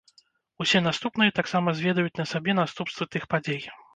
Усе наступныя таксама зведаюць на сабе наступствы тых падзей.